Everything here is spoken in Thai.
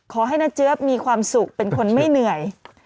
ขอให้น้าเจี๊ยบมีความสุขเป็นคนไม่เหนื่อย